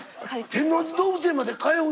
天王寺動物園まで通うの？